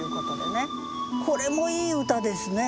これもいい歌ですね。